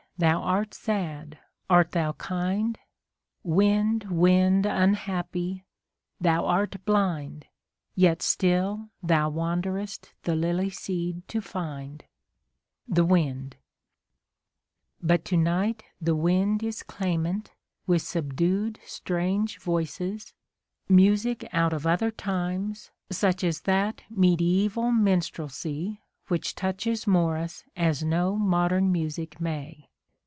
thou art sad, art thou kind? Wind, wind, unhappy ! thou art blind. Yet still thou wanderest the lily ^seed to find, {The Wind,) But to night the wind is clamant with sub dued, strange voices, music out of other times, such as that mediaeval minstrelsy which touches Morris as no modern music may.